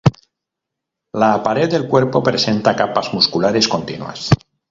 La pared del cuerpo presenta capas musculares continuas.